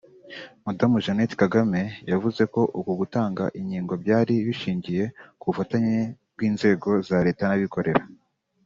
Madamu Jeannette Kagame yavuze ko uku gutanga inkingo byari bishingiye ku bufatanye bw’inzego za leta n’abikorera